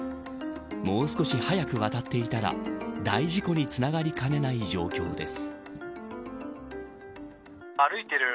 もう少し早く渡っていたら大事故につながりかねない状況です。